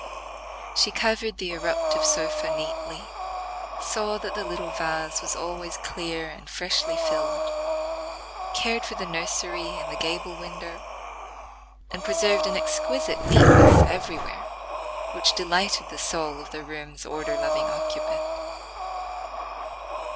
She covered the irruptive sofa neatly; saw that the little vase was always clear and freshly filled; cared for the nursery in the gable window; and preserved an exquisite neatness everywhere, which delighted the soul of the room's order loving occupant.